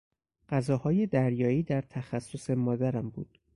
غذاهای دریایی در تخصص مادرم بود.